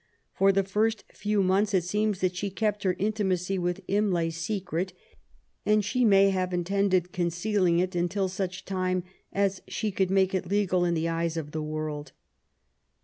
For the first few months it seems that she kept her intimacy with Imlay secret^ and she may have intended concealing it until such time as she could make it legal in the eyes of the world.